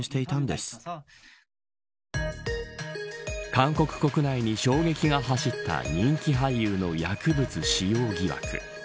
韓国国内に衝撃が走った人気俳優の薬物使用疑惑。